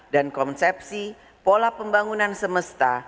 konsepsi pola pembangunan semesta